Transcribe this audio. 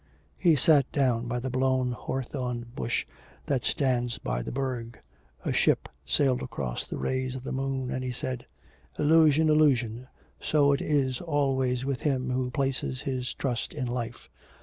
He sat down by the blown hawthorn bush that stands by the burgh. A ship sailed across the rays of the moon, and he said 'Illusion, illusion! so is it always with him who places his trust in life.